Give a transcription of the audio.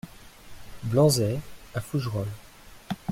Blanzey à Fougerolles